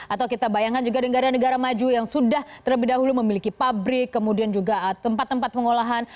atau kita bayangkan juga negara negara maju yang sudah terlebih dahulu memiliki pabrik kemudian juga tempat tempat pengolahan